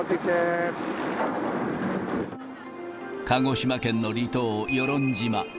鹿児島県の離島、与論島。